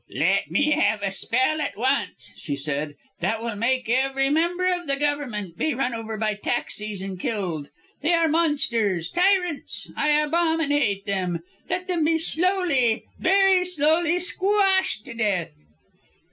"Let me have a spell at once," she said, "that will make every member of the Government be run over by taxis and killed. They are monsters, tyrants I abominate them. Let them be slowly very slowly SQUASHED to death!"